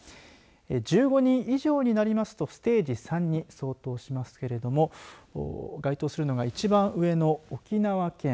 １５人以上になりますとステージ３に相当しますけれども該当するのが１番上の沖縄県